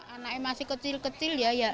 anaknya masih kecil kecil ya